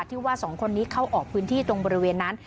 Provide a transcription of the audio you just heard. ที่ว่าสองคนนี้เข้าออกพื้นที่ตรงบริเวณนั้น